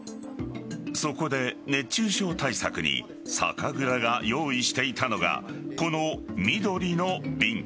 そこで熱中症対策に酒蔵が用意していたのがこの緑の瓶。